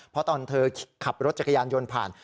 เพราะตอนเธอขับรถจักรยานยนต์ผ่าน